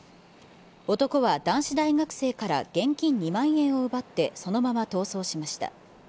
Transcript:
男は男子大学生から現金２万円を奪って、そのまま逃走しました。